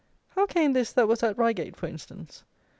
How came this that was at Reigate, for instance?